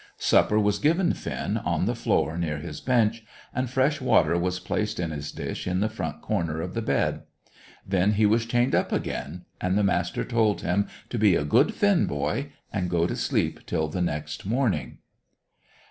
Supper was given Finn, on the floor near his bench, and fresh water was placed in his dish in the front corner of the bed. Then he was chained up again, and the Master told him to be a good Finn boy, and go to sleep till the next morning.